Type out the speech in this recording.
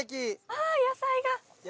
ああ野菜が。